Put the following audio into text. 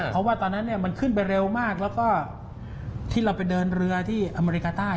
เพราะว่าตอนนั้นมันขึ้นไปเร็วมากแล้วก็ที่เราไปเดินเรือที่อเมริกาใต้